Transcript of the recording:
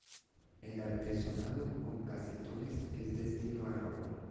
El artesonado con casetones es de estilo barroco.